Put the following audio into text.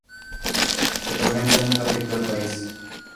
La tormenta nunca afectó al país.